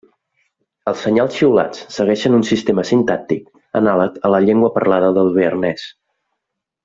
Els senyals xiulats segueixen un sistema sintàctic anàleg a la llengua parlada del bearnès.